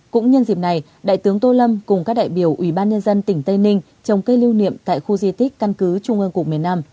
cũng nhân dịp này đại tướng tô lâm cùng các đại biểu ủy ban nhân dân tỉnh tây ninh trong cây lưu niệm tại khu di tích căn cứ trung ương cục một mươi năm